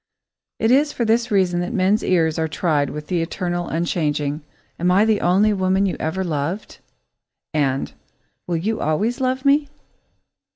It is for this reason that men's ears are tried with the eternal, unchanging: "Am I the only woman you ever loved?" and "Will you always love me?"